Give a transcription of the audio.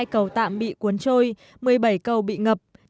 năm mươi hai cầu tạm bị cuốn trôi một mươi bảy cầu bị ngập